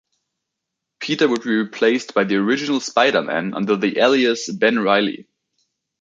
Peter would be replaced by the original Spider-Man under the alias "Ben Reilly".